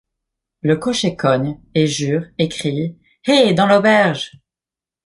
Le cocher cogne, et jure, et crie : Hé, dans l'auberge !